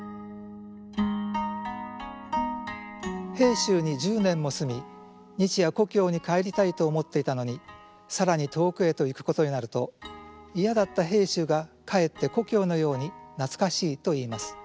并州に１０年も住み日夜故郷に帰りたいと思っていたのに更に遠くへと行くことになると嫌だった并州がかえって故郷のように懐かしいといいます。